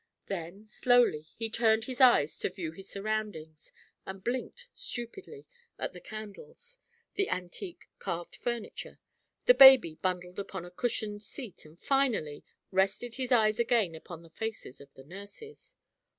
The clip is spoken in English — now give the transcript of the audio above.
Then, slowly, he turned his eyes to view his surroundings and blinked stupidly at the candles, the antique carved furniture, the baby bundled upon a cushioned seat and finally rested his eyes again upon the faces of the nurses.